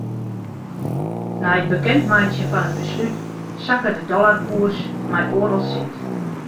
Nei it bekendmeitsjen fan it beslút sakke de dollarkoers mei oardel sint.